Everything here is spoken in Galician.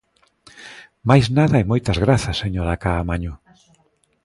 Máis nada e moitas grazas, señora Caamaño.